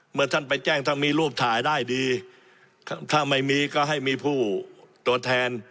เมื่อท่านไปแจ้งท่านมีรูปถ่ายได้ดีถ้าไม่มีก็ให้มีผู้ตัวแทน